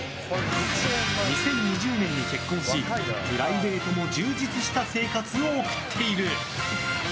２０２０年に結婚しプライベートも充実した生活を送っている。